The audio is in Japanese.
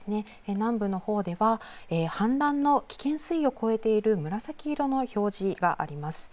南部のほうでは氾濫の危険水位を超えている紫色の表示があります。